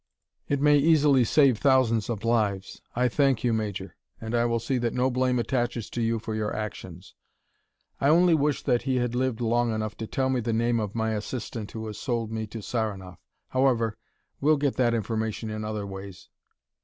"It may easily save thousands of lives. I thank you, Major, and I will see that no blame attaches to you for your actions. I only wish that he had lived long enough to tell me the name of my assistant who has sold me to Saranoff. However, we'll get that information in other ways.